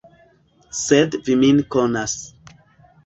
Sed vi min konas.